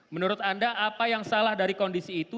menurut anda apa yang salah dari kondisi itu